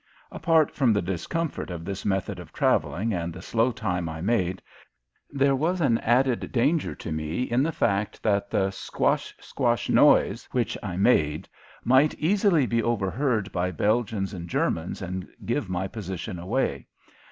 Apart from the discomfort of this method of traveling and the slow time I made, there was an added danger to me in the fact that the "squash squash" noise which I made might easily be overheard by Belgians and Germans and give my position away.